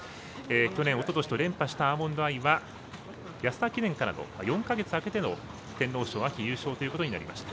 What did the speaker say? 去年、おととしと連覇したアーモンドアイは安田記念からの４か月空けての天皇賞優勝ということになりました。